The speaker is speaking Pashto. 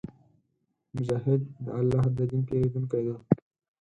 مجاهد د الله د دین پېرودونکی وي.